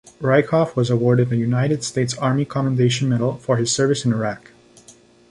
Rieckhoff was awarded a United States Army Commendation Medal for his service in Iraq.